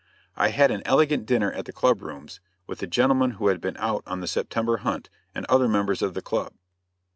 I had an elegant dinner at the club rooms, with the gentlemen who had been out on the September hunt, and other members of the club.